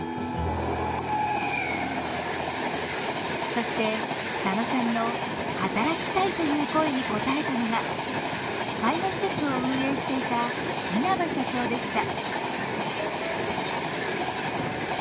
そして佐野さんの「働きたい」という声に応えたのが介護施設を運営していた稲葉社長でした。